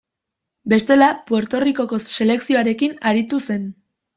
Bestela, Puerto Ricoko selekzioarekin aritu zen.